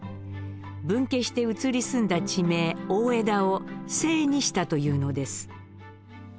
分家して移り住んだ地名大條を姓にしたというのです。